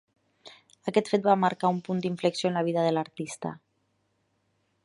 Aquest fet va marcar un punt d'inflexió en la vida de l'artista.